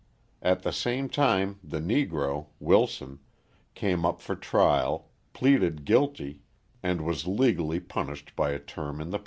At the same time the Negro, Wilson, came up for trial, pleaded guilty, and was legally punished by a term in the penitentiary.